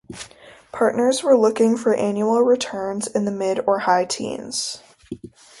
Partners were looking for annual returns in the mid- or high teens.